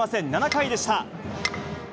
７回でした。